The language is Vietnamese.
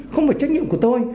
không phải trách nhiệm của tôi